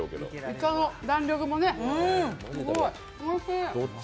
いかの弾力もね、おいしい！